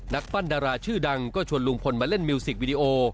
นักปั้นดาราชื่อดังก็ชวนลุงพลมาเล่นมิวสิกวิดีโอ